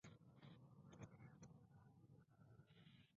It will be renovated by the World Monuments Fund.